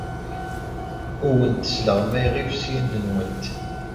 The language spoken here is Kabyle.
Ur awent-sleɣmayeɣ ifesyanen-nwent.